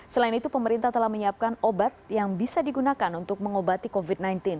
selain itu pemerintah telah menyiapkan obat yang bisa digunakan untuk mengobati covid sembilan belas